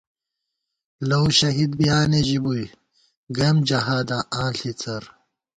لؤ شہید بِیانےژِی بُوئی، گئیم جہاداں آن ݪِڅَر